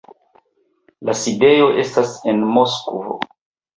La sidejo estas en Moskvo.